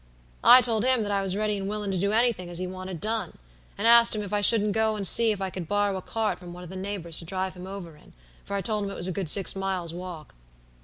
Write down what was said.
"I told him that I was ready and willin' to do anything as he wanted done; and asked him if I shouldn't go and see if I could borrow a cart from some of the neighbors to drive him over in, for I told him it was a good six miles' walk.